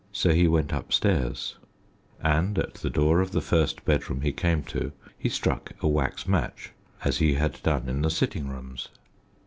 So he went upstairs, and at the door of the first bedroom he came to he struck a wax match, as he had done in the sitting rooms.